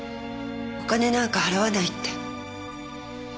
お金なんか払わないって。